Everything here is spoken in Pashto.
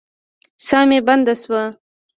ساه مي بنده سوه.